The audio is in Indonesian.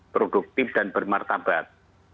produktif dan bermartabat